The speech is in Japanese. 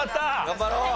頑張ろう！